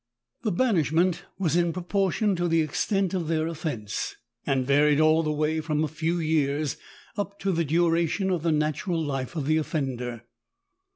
The banishment was in proportion to the extent of their offense, and varied all the way from a few years up to the duration of the natural life of the offender.